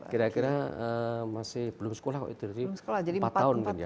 kira kira masih belum sekolah waktu itu